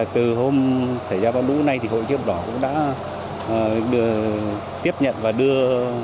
từ hôm xảy ra bão lũ này hội chia thập đỏ cũng đã tiếp nhận và đưa